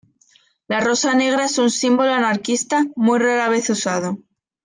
La rosa negra es un símbolo anarquista muy rara vez usado.